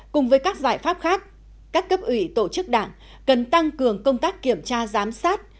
cùng với các giải pháp khác các cấp ủy tổ chức đảng cần tăng cường công tác kiểm tra giám sát